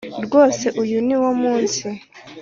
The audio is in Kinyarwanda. Rwose uyu ni wo munsi